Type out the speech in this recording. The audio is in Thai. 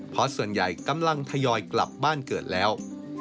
เพราะส่วนใหญ่กำลังทยอยกลับบ้านเกิดแล้ว